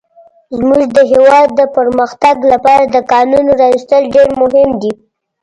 زموږ د هيواد د پرمختګ لپاره د کانونو راويستل ډير مهم دي.